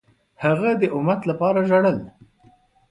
هغه د امت لپاره ژړل.